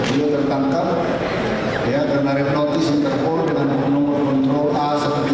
beliau tertangkap karena repotis yang terpolu dengan nomor a satu ratus tiga puluh enam seribu tiga ratus enam puluh satu dari lima belas juni dua ribu tiga